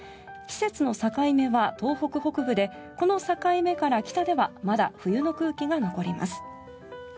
季節の境目は東北北部でこの境目から北ではまだ冬の空気が残ります。